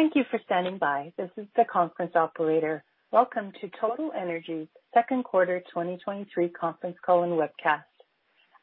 Thank you for standing by. This is the conference operator. Welcome to Total Energy's second quarter 2023 conference call and webcast.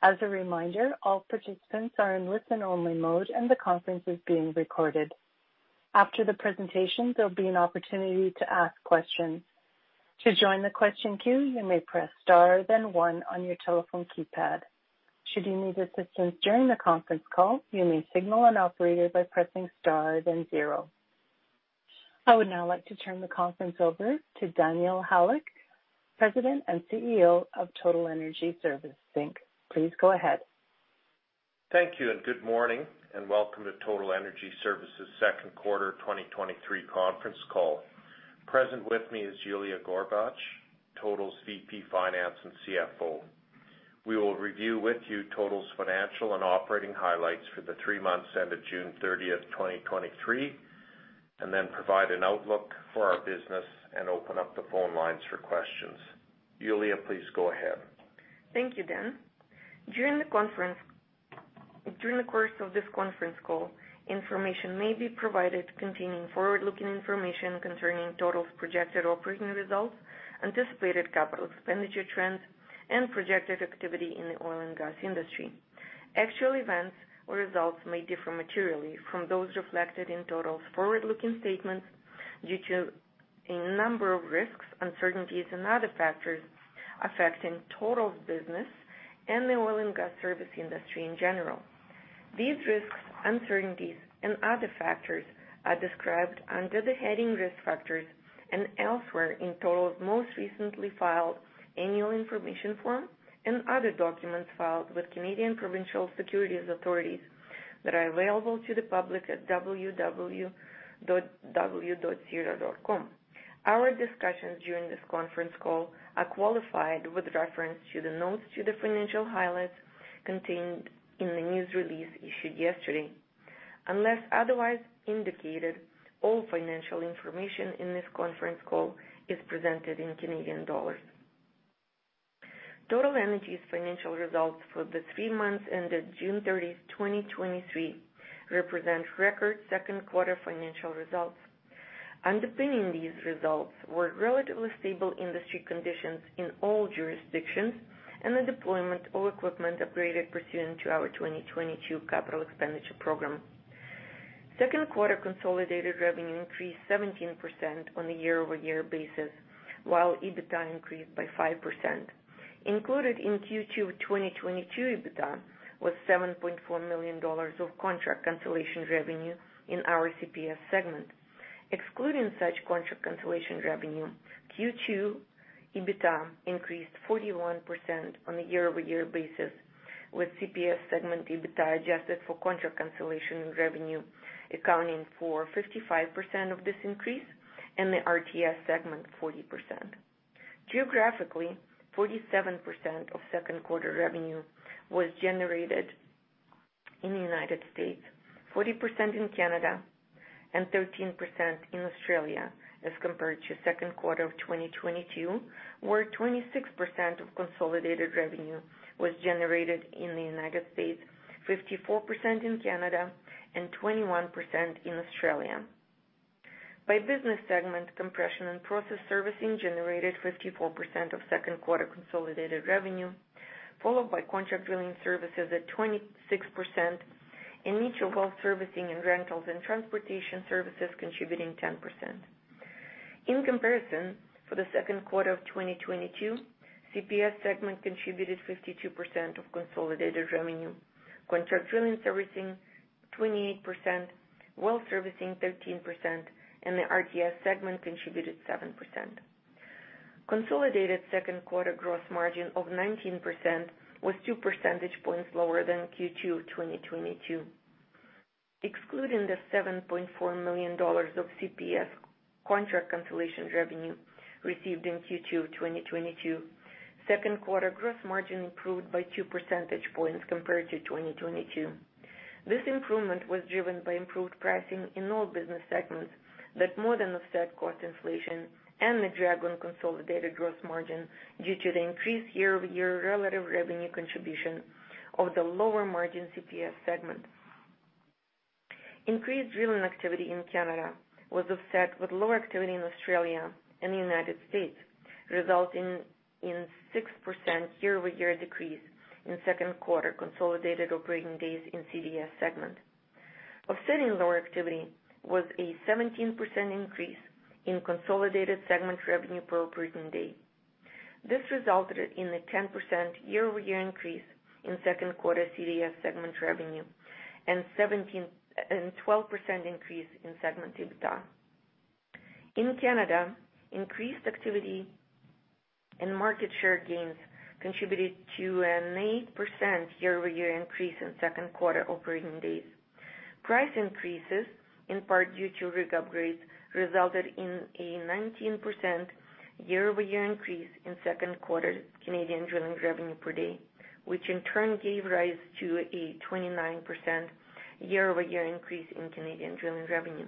As a reminder, all participants are in listen-only mode, and the conference is being recorded. After the presentation, there'll be an opportunity to ask questions. To join the question queue, you may press Star, then one on your telephone keypad. Should you need assistance during the conference call, you may signal an operator by pressing Star, then zero. I would now like to turn the conference over to Daniel Halyk, President and CEO of Total Energy Services Inc. Please go ahead. Thank you. Good morning, and welcome to Total Energy Services' second quarter 2023 conference call. Present with me is Yuliya Gorbach, Total's VP, Finance and CFO. We will review with you Total's financial and operating highlights for the three months ended June 30th, 2023, then provide an outlook for our business and open up the phone lines for questions. Yulia, please go ahead. Thank you, Dan. During the course of this conference call, information may be provided containing forward-looking information concerning Total's projected operating results, anticipated capital expenditure trends, and projected activity in the oil and gas industry. Actual events or results may differ materially from those reflected in Total's forward-looking statements due to a number of risks, uncertainties, and other factors affecting Total's business and the oil and gas service industry in general. These risks, uncertainties, and other factors are described under the heading Risk Factors and elsewhere in Total's most recently filed annual information form and other documents filed with Canadian provincial securities authorities that are available to the public at www.totalenergy.ca. Our discussions during this conference call are qualified with reference to the notes to the financial highlights contained in the news release issued yesterday. Unless otherwise indicated, all financial information in this conference call is presented in Canadian dollars. Total Energy's financial results for the 3 months ended June 30th, 2023, represent record second quarter financial results. Underpinning these results were relatively stable industry conditions in all jurisdictions and the deployment of equipment upgraded pursuant to our 2022 capital expenditure program. Second quarter consolidated revenue increased 17% on a year-over-year basis, while EBITDA increased by 5%. Included in Q2 of 2022 EBITDA was 7.4 million dollars of contract cancellation revenue in our CPS segment. Excluding such contract cancellation revenue, Q2 EBITDA increased 41% on a year-over-year basis, with CPS segment EBITDA adjusted for contract cancellation and revenue, accounting for 55% of this increase and the RTS segment, 40%. Geographically, 47% of second quarter revenue was generated in the United States, 40% in Canada, and 13% in Australia, as compared to second quarter of 2022, where 26% of consolidated revenue was generated in the United States, 54% in Canada, and 21% in Australia. By business segment, Compression and Process Services generated 54% of second quarter consolidated revenue, followed by Contract Drilling Services at 26%, and each of Well Servicing and Rentals and Transportation Services contributing 10%. In comparison, for the second quarter of 2022, CPS segment contributed 52% of consolidated revenue, Contract Drilling servicing, 28%, Well Servicing, 13%, and the RTS segment contributed 7%. Consolidated second-quarter gross margin of 19% was 2 percentage points lower than Q2 2022. Excluding the $7.4 million of CPS contract cancellation revenue received in Q2 2022, second quarter gross margin improved by 2 percentage points compared to 2022. This improvement was driven by improved pricing in all business segments that more than offset cost inflation and the drag on consolidated gross margin due to the increased year-over-year relative revenue contribution of the lower margin CPS segment. Increased drilling activity in Canada was offset with lower activity in Australia and the United States, resulting in 6% year-over-year decrease in second quarter consolidated operating days in CDS segment. Offsetting lower activity was a 17% increase in consolidated segment revenue per operating day. This resulted in a 10% year-over-year increase in second quarter CDS segment revenue and 12% increase in segment EBITDA. In Canada, increased activity and market share gains contributed to an 8% year-over-year increase in second quarter operating days. Price increases, in part due to rig upgrades, resulted in a 19% year-over-year increase in second quarter Canadian drilling revenue per day, which in turn gave rise to a 29% year-over-year increase in Canadian drilling revenue.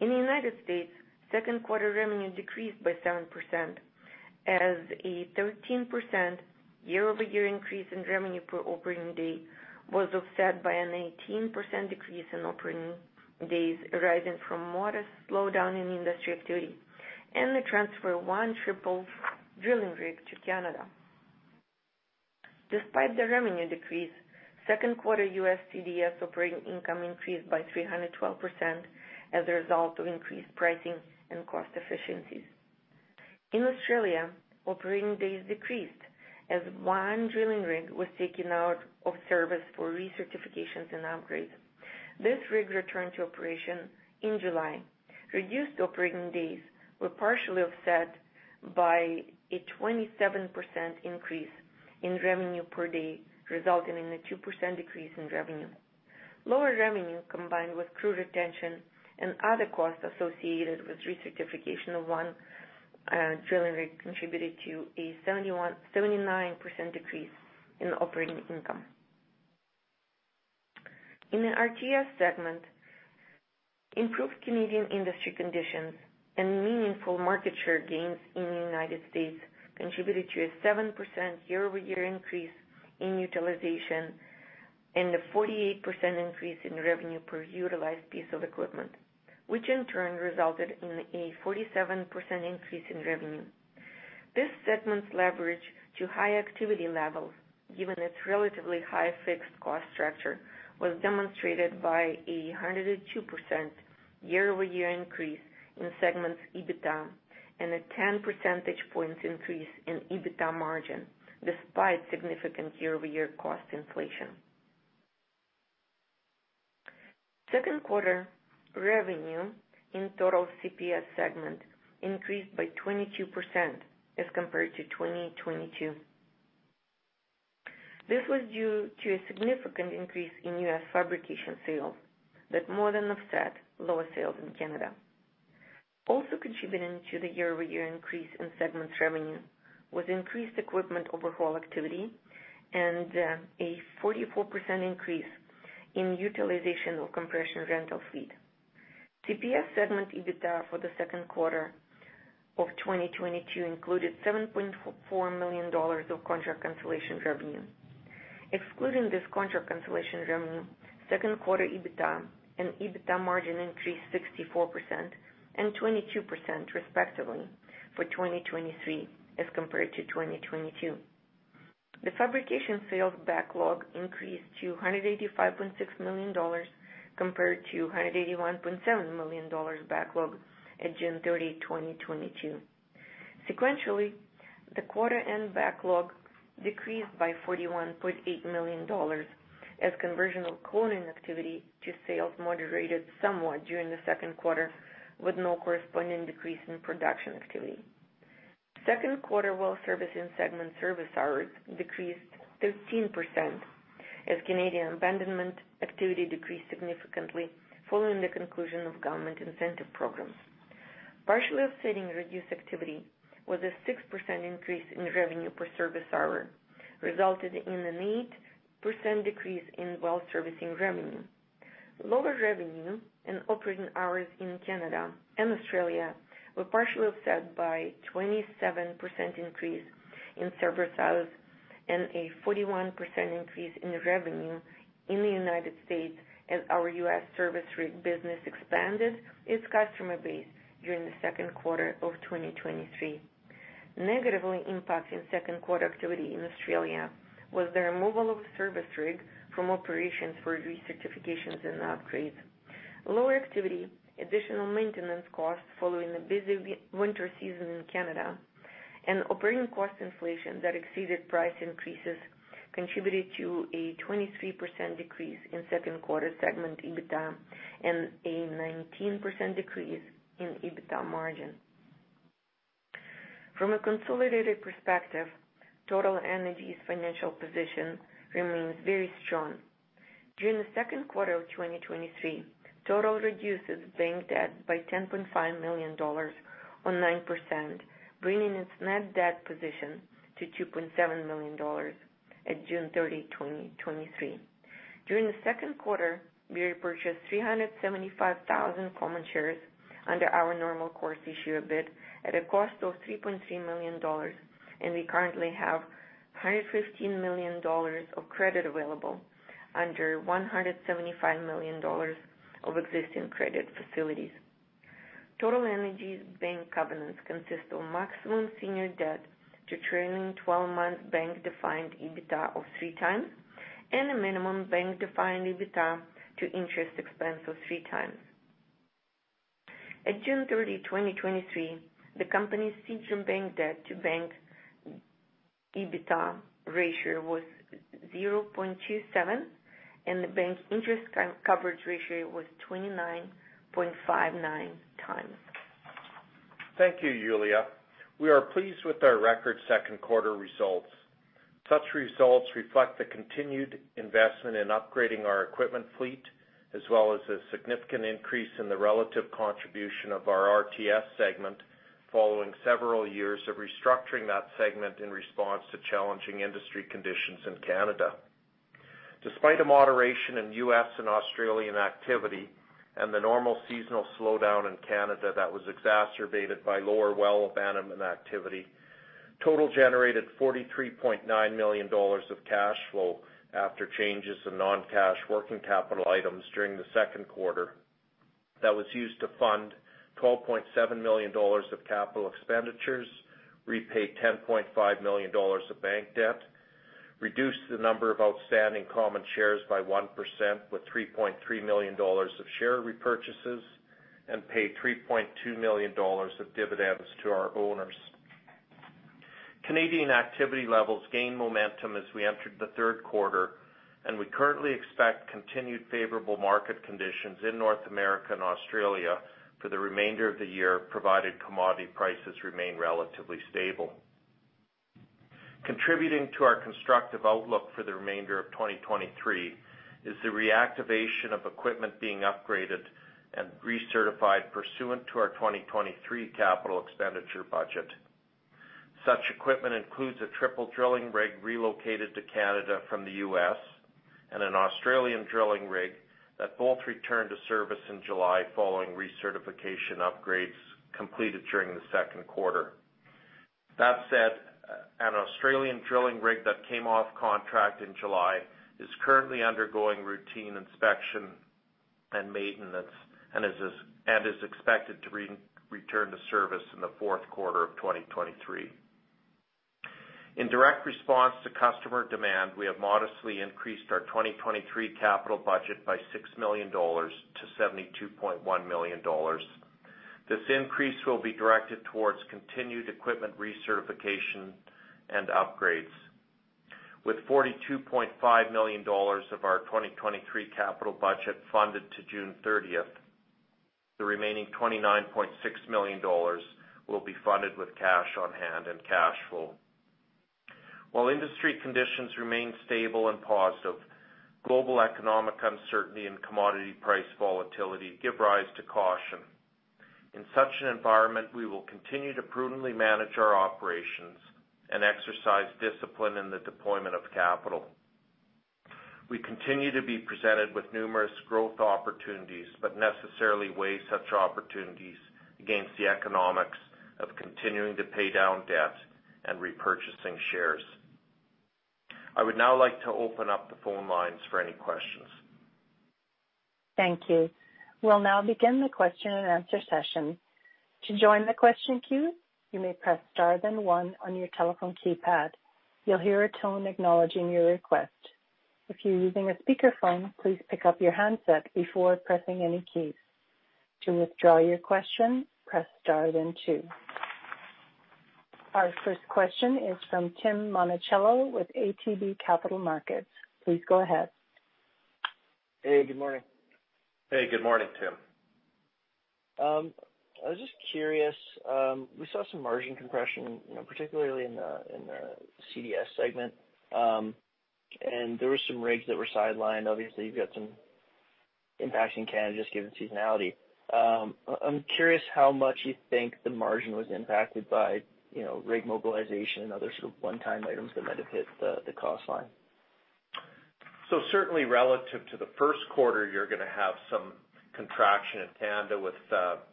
In the United States, second quarter revenue decreased by 7%, as a 13% year-over-year increase in revenue per operating day was offset by an 18% decrease in operating days, arising from modest slowdown in the industry activity and the transfer of 1 triple drilling rig to Canada. Despite the revenue decrease, second quarter U.S. CDS operating income increased by 312% as a result of increased pricing and cost efficiencies. In Australia, operating days decreased as one drilling rig was taken out of service for recertifications and upgrades. This rig returned to operation in July. Reduced operating days were partially offset by a 27% increase in revenue per day, resulting in a 2% decrease in revenue. Lower revenue, combined with crew retention and other costs associated with recertification of one drilling rig, contributed to a 79% decrease in operating income. In the RTS segment, improved Canadian industry conditions and meaningful market share gains in the United States contributed to a 7% year-over-year increase in utilization and a 48% increase in revenue per utilized piece of equipment, which in turn resulted in a 47% increase in revenue. This segment's leverage to high activity levels, given its relatively high fixed cost structure, was demonstrated by a 102% year-over-year increase in the segment's EBITDA, and a 10 percentage points increase in EBITDA margin, despite significant year-over-year cost inflation. Second quarter revenue in Total CPS segment increased by 22% as compared to 2022. This was due to a significant increase in U.S. fabrication sales that more than offset lower sales in Canada. Contributing to the year-over-year increase in segment's revenue was increased equipment overhaul activity and a 44% increase in utilization of Compression rental fleet. CPS segment EBITDA for the second quarter of 2022 included $7.4 million of contract cancellation revenue. Excluding this contract cancellation revenue, second quarter EBITDA and EBITDA margin increased 64% and 22%, respectively, for 2023 as compared to 2022. The fabrication sales backlog increased to 185.6 million dollars, compared to 181.7 million dollars backlog at June 30, 2022. Sequentially, the quarter end backlog decreased by 41.8 million dollars, as conversion of quoting activity to sales moderated somewhat during the second quarter, with no corresponding decrease in production activity. Second quarter Well Servicing segment service hours decreased 13%, as Canadian abandonment activity decreased significantly following the conclusion of government incentive programs. Partially offsetting reduced activity was a 6% increase in revenue per service hour, resulting in an 8% decrease in Well Servicing revenue. Lower revenue and operating hours in Canada and Australia were partially offset by 27% increase in service hours and a 41% increase in revenue in the United States as our U.S. service rig business expanded its customer base during the second quarter of 2023. Negatively impacting second quarter activity in Australia was the removal of service rig from operations for recertifications and upgrades. Lower activity, additional maintenance costs following a busy winter season in Canada, and operating cost inflation that exceeded price increases contributed to a 23% decrease in second quarter segment EBITDA and a 19% decrease in EBITDA margin. From a consolidated perspective, Total Energy's financial position remains very strong. During the second quarter of 2023, Total reduced its bank debt by $10.5 million, or 9%, bringing its net debt position to $2.7 million at June 30, 2023. During the second quarter, we repurchased 375,000 common shares under our normal course issuer bid at a cost of $3.3 million. We currently have $115 million of credit available under $175 million of existing credit facilities. Total Energy's bank covenants consist of maximum senior debt to trailing-twelve-month bank-defined EBITDA of 3x and a minimum bank-defined EBITDA to interest expense of 3x. At June 30, 2023, the company's senior bank debt to bank EBITDA ratio was 0.27, and the bank's interest coverage ratio was 29.59x. Thank you, Yulia. We are pleased with our record second quarter results. Such results reflect the continued investment in upgrading our equipment fleet, as well as a significant increase in the relative contribution of our RTS segment, following several years of restructuring that segment in response to challenging industry conditions in Canada. Despite a moderation in U.S. and Australian activity and the normal seasonal slowdown in Canada that was exacerbated by lower well abandonment activity, Total generated 43.9 million dollars of cash flow after changes in non-cash working capital items during the second quarter. That was used to fund 12.7 million dollars of capital expenditures, repay 10.5 million dollars of bank debt, reduce the number of outstanding common shares by 1%, with 3.3 million dollars of share repurchases, and pay 3.2 million dollars of dividends to our owners. Canadian activity levels gained momentum as we entered the third quarter. We currently expect continued favorable market conditions in North America and Australia for the remainder of the year, provided commodity prices remain relatively stable. Contributing to our constructive outlook for the remainder of 2023 is the reactivation of equipment being upgraded and recertified pursuant to our 2023 capital expenditure budget. Such equipment includes a triple drilling rig relocated to Canada from the U.S. and an Australian drilling rig that both returned to service in July following recertification upgrades completed during the second quarter. That said, an Australian drilling rig that came off contract in July is currently undergoing routine inspection and maintenance and is expected to return to service in the fourth quarter of 2023. In direct response to customer demand, we have modestly increased our 2023 capital budget by 6 million dollars to 72.1 million dollars. This increase will be directed towards continued equipment recertification and upgrades. With 42.5 million dollars of our 2023 capital budget funded to June 30th, the remaining 29.6 million dollars will be funded with cash on hand and cash flow. While industry conditions remain stable and positive, global economic uncertainty and commodity price volatility give rise to caution. In such an environment, we will continue to prudently manage our operations and exercise discipline in the deployment of capital. We continue to be presented with numerous growth opportunities, but necessarily weigh such opportunities against the economics of continuing to pay down debt and repurchasing shares. I would now like to open up the phone lines for any questions. Thank you. We'll now begin the question-and-answer session. To join the question queue, you may press star, then one on your telephone keypad. You'll hear a tone acknowledging your request. If you're using a speakerphone, please pick up your handset before pressing any keys. To withdraw your question, press star then two. Our first question is from Tim Monachello with ATB Capital Markets. Please go ahead. Hey, good morning. Hey, good morning, Tim. I was just curious, we saw some margin compression, you know, particularly in the CDS segment, and there were some rigs that were sidelined. Obviously, you've got some impact in Canada just given seasonality. I'm curious how much you think the margin was impacted by, you know, rig mobilization and other sort of one-time items that might have hit the cost line? Certainly relative to the first quarter, you're gonna have some contraction in Canada with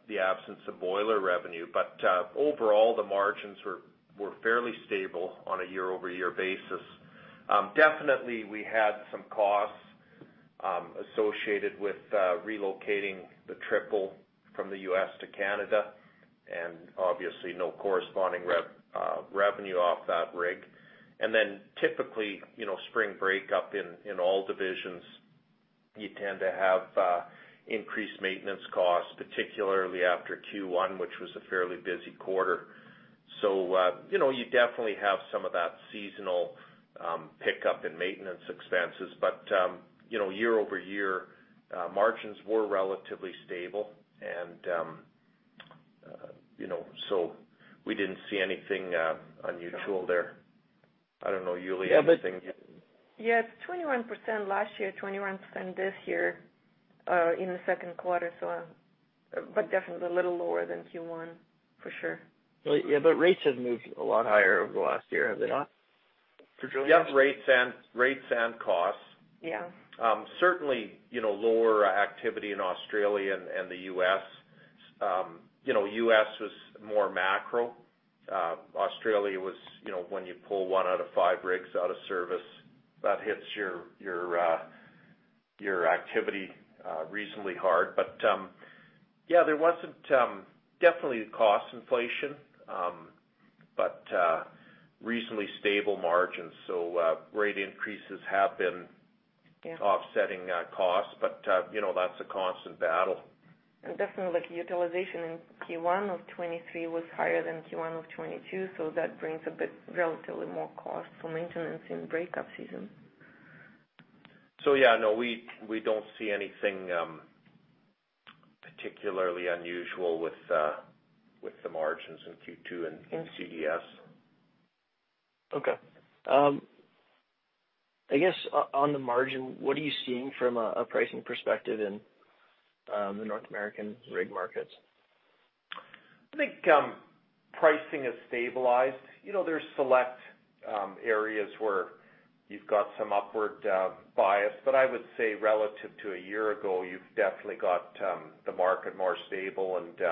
the absence of boiler revenue, but overall, the margins were, were fairly stable on a year-over-year basis. Definitely, we had some costs associated with relocating the triple from the U.S. to Canada, and obviously no corresponding revenue off that rig. Then typically, you know, spring break up in, in all divisions, you tend to have increased maintenance costs, particularly after Q1, which was a fairly busy quarter. You know, you definitely have some of that seasonal pickup in maintenance expenses, but, you know, year-over-year, margins were relatively stable, and, you know, we didn't see anything unusual there. I don't know, Yulia, anything. Yeah, but. Yes, 21% last year, 21% this year, in the second quarter. Definitely a little lower than Q1, for sure. Yeah, rates have moved a lot higher over the last year, have they not? For sure. Yes, rates and, rates and costs. Yeah. Certainly, you know, lower activity in Australia and the U.S.. You know, U.S. was more macro. Australia was, you know, when you pull one out of five rigs out of service, that hits your activity reasonably hard. Yeah, there wasn't. Definitely cost inflation, but reasonably stable margins. Rate increases have been- Yeah offsetting costs, but, you know, that's a constant battle. Definitely, the utilization in Q1 of 2023 was higher than Q1 of 2022, so that brings a bit relatively more cost for maintenance in break-up season. Yeah, no, we, we don't see anything, particularly unusual with, with the margins in Q2 and in CDS. Okay. I guess on the margin, what are you seeing from a pricing perspective in the North American rig markets? I think pricing has stabilized. You know, there's select areas where you've got some upward bias, but I would say relative to a year ago, you've definitely got the market more stable and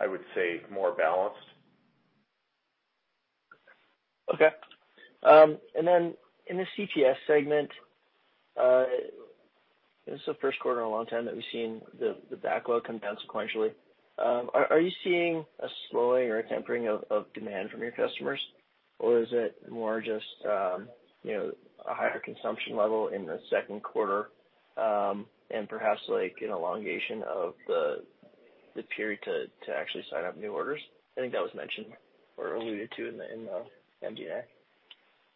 I would say more balanced. Okay. In the CPS segment, this is the first quarter in a long time that we've seen the backlog come down sequentially. Are you seeing a slowing or a tempering of demand from your customers? Is it more just, you know, a higher consumption level in the second quarter, and perhaps like an elongation of the period to actually sign up new orders? I think that was mentioned or alluded to in the MDA.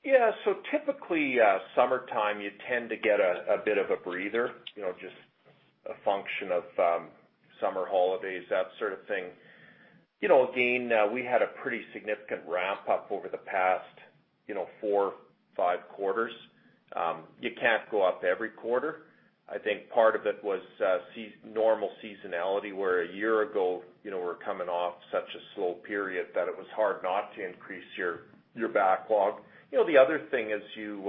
Yeah. So typically, summertime, you tend to get a bit of a breather, you know, just a function of summer holidays, that sort of thing. You know, again, we had a pretty significant ramp up over the past, you know, 4, 5 quarters. You can't go up every quarter. I think part of it was normal seasonality, where a year ago, you know, we're coming off such a slow period that it was hard not to increase your, your backlog. You know, the other thing is you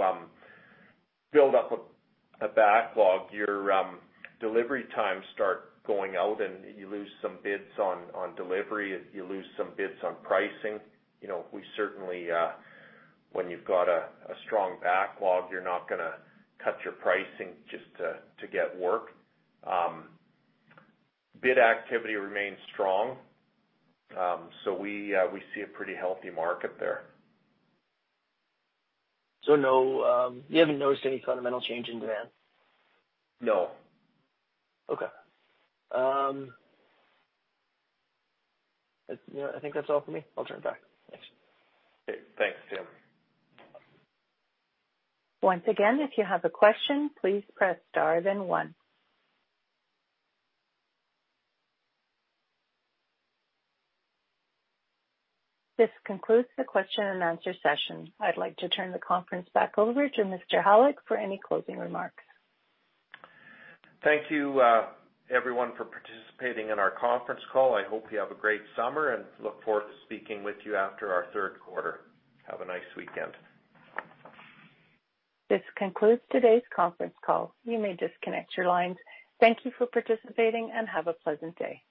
build up a backlog, your delivery times start going out, and you lose some bids on delivery, you lose some bids on pricing. You know, we certainly, when you've got a strong backlog, you're not gonna cut your pricing just to get work. Bid activity remains strong, so we see a pretty healthy market there. No, you haven't noticed any fundamental change in demand? No. Okay. you know, I think that's all for me. I'll turn it back. Thanks. Okay. Thanks, Tim. Once again, if you have a question, please press Star, then 1. This concludes the question and answer session. I'd like to turn the conference back over to Mr. Halyk for any closing remarks. Thank you, everyone, for participating in our conference call. I hope you have a great summer and look forward to speaking with you after our third quarter. Have a nice weekend. This concludes today's conference call. You may disconnect your lines. Thank you for participating, and have a pleasant day.